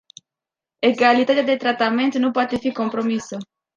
Egalitatea de tratament nu poate fi compromisă.